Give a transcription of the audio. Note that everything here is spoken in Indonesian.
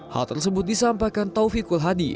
hal tersebut disampaikan taufiqul hadi